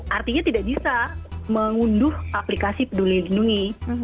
artinya tidak bisa mengunduh aplikasi peduli lindungi